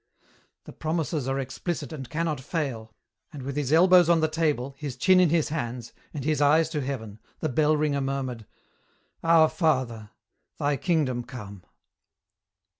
"The promises are explicit and cannot fail," and with his elbows on the table, his chin in his hands, and his eyes to heaven, the bell ringer murmured, "Our father thy kingdom come!"